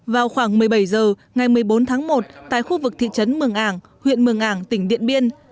vào khoảng một mươi bảy h ngày một mươi bốn tháng một tại khu vực thị trấn mường ảng huyện mường ảng tỉnh điện biên